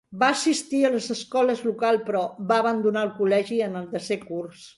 Va assistir a les escoles locals, però va abandonar el col·legi en el desè curs.